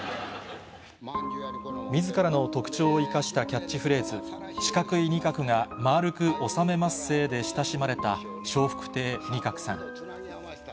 みずからの特徴を生かしたキャッチフレーズ、四角い仁鶴がまぁーるくおさめまっせーで親しまれた笑福亭仁鶴さん。